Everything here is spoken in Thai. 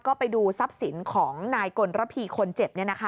ก็ไปดูทรัพย์สินของนายกลระพีคนเจ็บ